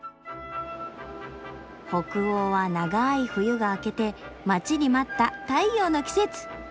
北欧は長い冬が明けて待ちに待った太陽の季節！